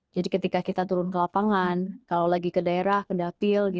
jadi ketika kita turun ke lapangan kalau lagi ke daerah ke dapil